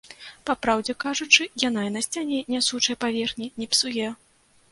Па праўдзе кажучы, яна і на сцяне нясучай паверхні не псуе.